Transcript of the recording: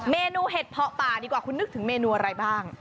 เมนูเห็ดเพาะป่าดีกว่าคุณนึกถึงเมนูอะไรบ้าง